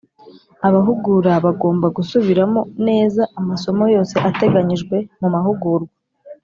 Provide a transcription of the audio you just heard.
Abahugura bagomba gusubiramo neza amasomo yose ateganyijwe mu mahugurwa